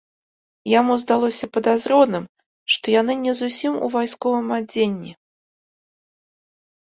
Яму здалося падазроным, што яны не зусім у вайсковым адзенні.